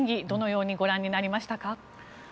どのようにご覧になりましたか？